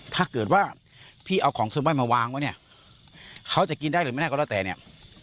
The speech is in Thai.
ถ้าเกิดว่าพี่เอาของเซอร์มอนมาวางไว้เนี่ยเขาจะกินได้หรือไม่ได้ก็แล้วแต่เนี่ย